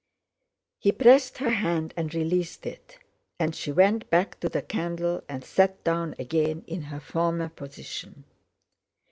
He pressed her hand and released it, and she went back to the candle and sat down again in her former position.